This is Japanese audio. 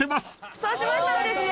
そうしましたらですね